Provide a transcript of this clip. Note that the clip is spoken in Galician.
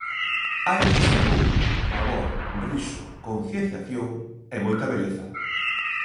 Hai desacougo, pavor, riso, concienciación e moita beleza.